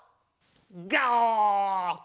ガオ！